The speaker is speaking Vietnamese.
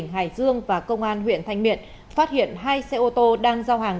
hải dương và công an huyện thanh miện phát hiện hai xe ô tô đang giao hàng